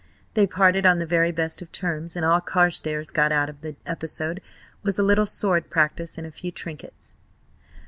They parted on the very best of terms, and all Carstares got out of the episode was a little sword practice and a few trinkets.